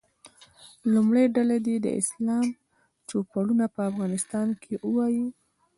لومړۍ ډله دې د اسلام چوپړونه په افغانستان کې ووایي.